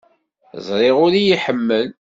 Ẓriɣ ur iyi-iḥemmel.